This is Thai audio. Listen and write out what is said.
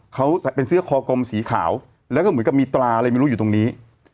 เขาใส่เป็นเสื้อคอกลมสีขาวแล้วก็เหมือนกับมีตราอะไรไม่รู้อยู่ตรงนี้